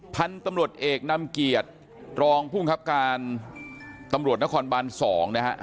พันธุ์ตำรวจเอกนำเกียรติรองภูมิครับการตำรวจนครบาน๒นะฮะ